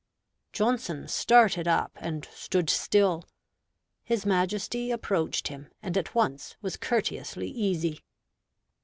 Johnson started up, and stood still. His Majesty approached him, and at once was courteously easy.